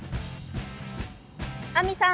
亜美さん